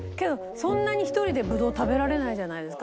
そんなに１人でブドウ食べられないじゃないですか。